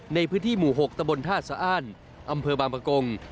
ในพื้นที่หมู่๖ตะบนท่าสะอ้านอำเภอบางประกง